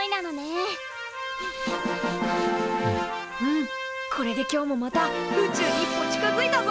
うんこれで今日もまた宇宙に一歩近づいたぞ！